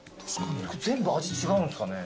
全部味違うんすかね。